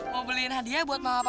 mau beliin hadiah buat mama apa